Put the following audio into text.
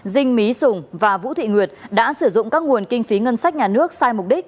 dinh mí sùng và vũ thị nguyệt đã sử dụng các nguồn kinh phí ngân sách nhà nước sai mục đích